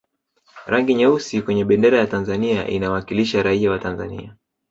rangi nyeusi kwenye bendera ya tanzania inawakilisha raia wa tanzania